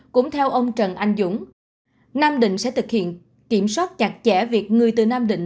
cũng theo ông trần anh dũng nam định sẽ thực hiện kiểm soát chặt chẽ việc người từ nam định